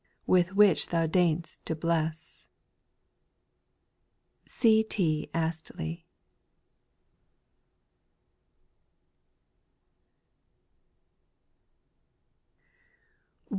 With which Thou deign'st to bless. C. T. ASTLBY.